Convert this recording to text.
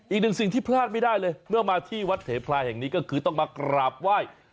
อีกหนึ่งสิ่งที่พลาดไม่ได้เลยเมื่อมาที่วัดเทพลายแห่งนี้ก็คือต้องมากราบไหว้